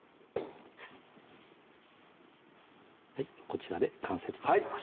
こちらで完成となります